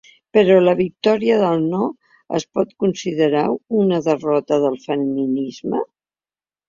Però, la victòria del “no” es pot considerar una derrota del feminisme?